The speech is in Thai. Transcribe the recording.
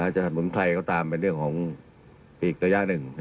จะทำมุมใครเข้าตามเป็นเรื่องของอีกระยะหนึ่ง